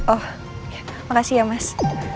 oh makasih ya mas